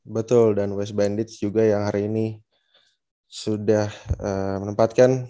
betul dan west bandits juga yang hari ini sudah menempatkan